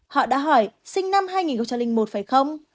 họ đã hỏi sinh năm hai nghìn một phải không